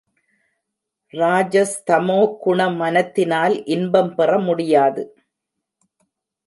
ராஜஸ்தமோ குண மனத்தினால் இன்பம் பெற முடியாது.